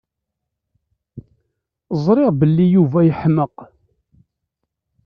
Ẓriɣ belli Yuba yeḥmeq.